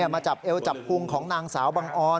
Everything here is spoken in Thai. มาจับเอวจับพุงของนางสาวบังออน